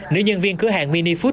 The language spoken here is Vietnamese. nữ nhân viên cửa hàng mini food